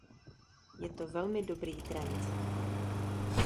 Je to velmi dobrý trend.